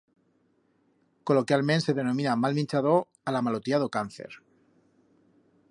Coloquialment se denomina mal minchador a la malotía d'o cáncer.